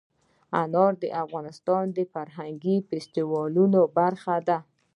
انار د افغانستان د فرهنګي فستیوالونو برخه ده.